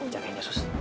jagain ya suster